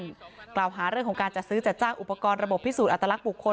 กล่าวหาเรื่องของการจัดซื้อจัดจ้างอุปกรณ์ระบบพิสูจนอัตลักษณ์บุคคล